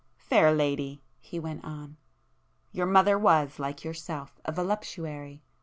"Fair lady," he went on—"your mother was, like yourself, a voluptuary.